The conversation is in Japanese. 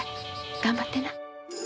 頑張ってな。